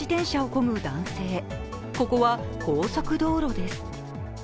ここは高速道路です。